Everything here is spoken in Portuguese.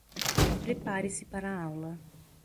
Prepare-se para a aula